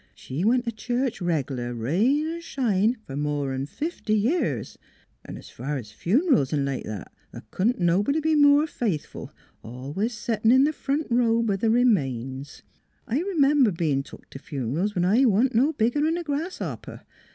She's went t' church reg'lar, rain er shine, for more 'n fifty years. 'N' as fer fun'rals 'n' like that, th' couldn't nobody be more faithful, always settin' in th' front row b' th' remains. I r'member bein' took t' fun'rals when I wa'n't no bigger 'n a grasshopper.